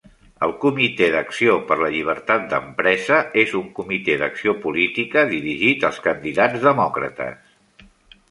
El Comitè d'Acció per la Llibertat d'Empresa és un comitè d'acció política dirigit als candidats demòcrates.